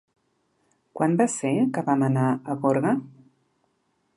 Quan va ser que vam anar a Gorga?